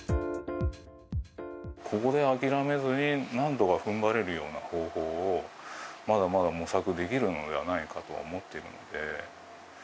ここで諦めずに、なんとかふんばれるような方法を、まだまだ模索できるのではないかとは思っているので。